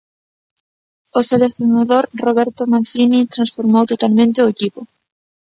O seleccionador Roberto Mancini transformou totalmente o equipo.